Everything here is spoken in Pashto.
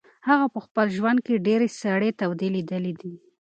هغه په خپل ژوند کې ډېرې سړې تودې لیدلې دي.